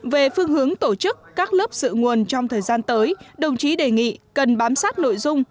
về phương hướng tổ chức các lớp sự nguồn trong thời gian tới đồng chí đề nghị cần bám sát nội dung